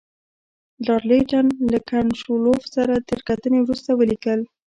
لارډ لیټن له کنټ شووالوف سره تر کتنې وروسته ولیکل.